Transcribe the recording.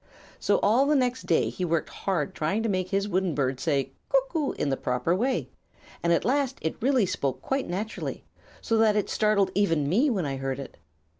"So all the next day he worked hard trying to make his wooden bird say 'cuck oo!' in the proper way; and at last it really spoke quite naturally, so that it startled even me when I heard it.